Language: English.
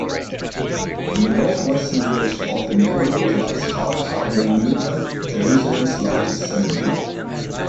On the northwestern ridge of the neighborhood lies Har HaMenuchot, Jerusalem's largest cemetery.